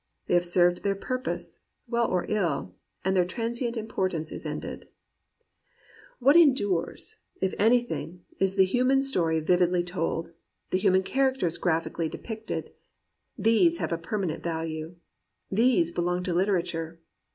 They have served their purpose, well or ill, and their transient importance is ended. 142 GEORGE ELIOT AND REAL WOMEN What endures, if anything, is the human story vividly told, the human characters graphically de picted. These have a permanent value. These be long to literature.